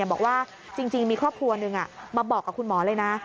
บอกว่าจริงมีครอบครัวหนึ่งมาบอกกับคุณหมอเลยนะ